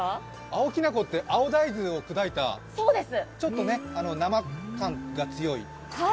青きな粉って、青大豆を砕いた、ちょっと生感が強い？